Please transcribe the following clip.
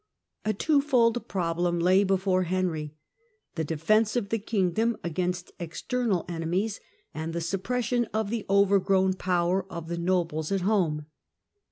A twofold problem lay before Henry — the defence of the kingdom against external enemies, and the suppres sion of the overgrown power of the nobles at home.